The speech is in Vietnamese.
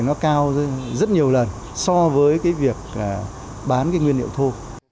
nó cao rất nhiều lần so với cái việc bán cái nguyên liệu thô